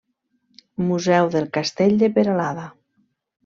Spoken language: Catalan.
Museu del Castell de Peralada.